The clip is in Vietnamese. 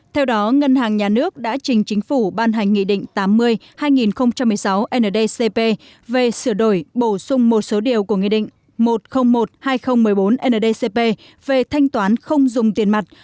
theo đó ngân hàng nhà nước đã trình chính phủ ban hành nghị định tám mươi hai nghìn một mươi sáu ndcp về sửa đổi bổ sung một số điều của nghị định một trăm linh một hai nghìn một mươi bốn ndcp về thanh toán không dùng tiền mặt